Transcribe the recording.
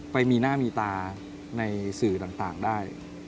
ไปมีหน้ามีตาในสื่อต่างได้